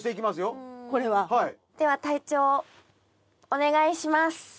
では隊長お願いします。